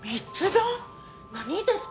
何ですか？